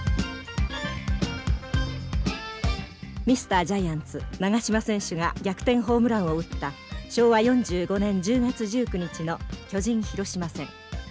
ミスタージャイアンツ長嶋選手が逆転ホームランを打った昭和４５年１０月１９日の巨人広島戦。